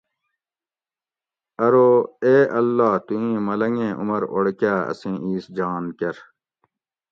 "ارو "" اے اللّٰہ تُو اِیں ملنگ ایں عمر اوڑ کاۤ اسیں اِیس جان کر"""